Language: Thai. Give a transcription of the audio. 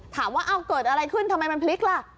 ถามว่าเอ้าเกิดอะไรขึ้นทำไมมันพลิกล่ะ